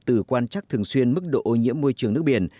từ quan chắc thường xuyên mức độ ô nhiễm môi trường nước biển